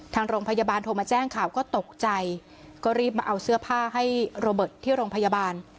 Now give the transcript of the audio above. ทางโรงพยาบาลโทรมาแจ้งข่าวก็ตกใจก็รีบมาเอาเสื้อผ้าให้โรเบิร์ตที่โรงพยาบาล